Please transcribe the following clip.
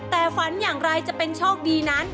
แต่ฝันอย่างไรจะเป็นโชคดีนั้น